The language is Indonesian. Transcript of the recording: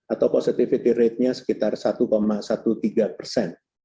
atau positivity ratenya sekitar satu tiga belas persen